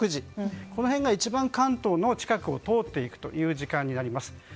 この辺が、一番関東の近くを通っていく時間になります。